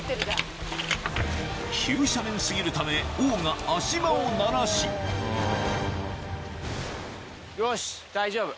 急斜面過ぎるため王が足場をならしよし大丈夫。